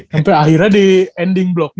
sampai akhirnya di ending block